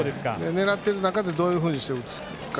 狙っている中でどういうふうにして打つか。